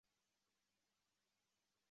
汉娜最终开始跟同事西蒙约会。